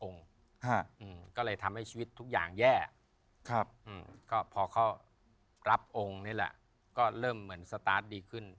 ก็เลยทำให้ชีวิตทุกอย่างแย่ครับก็พอเขารับองค์นี่แหละก็เริ่มเหมือนสตาร์ทดีขึ้น